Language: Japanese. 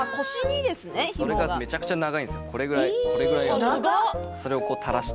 それがめちゃくちゃ長いんですよ、これぐらいあって。